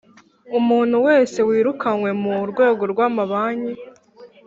Umuntu wese wirukanywe mu rwego rw amabanki